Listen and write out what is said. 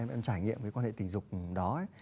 em trải nghiệm cái quan hệ tình dục đó